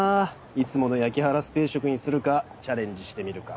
いつもの焼きハラス定食にするかチャレンジしてみるか。